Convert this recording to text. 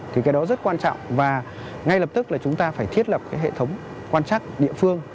thì cái đó rất quan trọng và ngay lập tức là chúng ta phải thiết lập cái hệ thống quan trắc địa phương